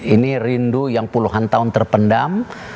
ini rindu yang puluhan tahun terpendam